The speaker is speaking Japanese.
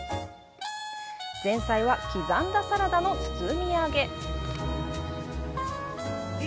前菜は、刻んだサラダの包み揚げ。